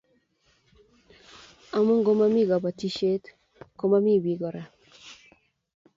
Amu ngomomi kobotisiet komomi bik kora